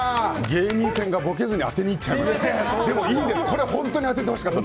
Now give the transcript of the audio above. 芸人さんがボケずに当てに行っちゃいました。